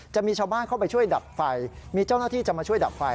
จะมีชาวบ้านเข้าไปช่วยดับไฟมีเจ้าหน้าที่จะมาช่วยดับไฟ